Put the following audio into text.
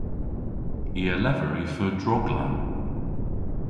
I a lever y feu droglamm.